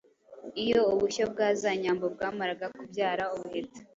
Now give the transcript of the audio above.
iyo ubushyo bwa za nyambo bwamaraga kubyara ubuheta,